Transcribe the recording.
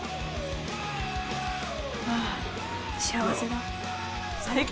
ああ幸せだ。